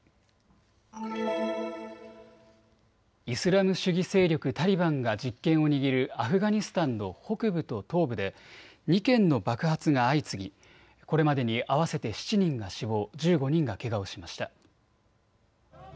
イスラム主義勢力タリバンが実権を握るアフガニスタンの北部と東部で２件の爆発が相次ぎ、これまでに合わせて７人が死亡、１５人がけがをしました。